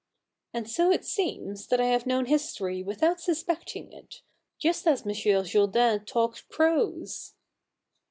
And so it seems that I have known history without suspecting it, just as M. Jourdain talked prose.'